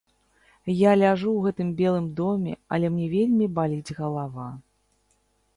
Я ляжу ў гэтым белым доме, але мне вельмі баліць галава.